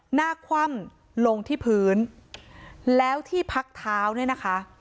คว่ำลงที่พื้นแล้วที่พักเท้าเนี่ยนะคะ